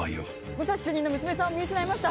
武蔵主任の娘さんを見失いました！